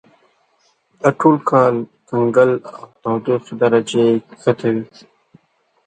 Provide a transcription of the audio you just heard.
دا ټول کال کنګل او تودوخې درجه یې کښته وي.